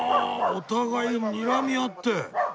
お互いにらみ合って！